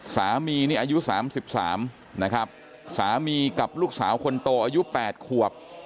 สามีนี่อายุสามสิบสามนะครับสามีกับลูกสาวคนโตอายุแปดขวบ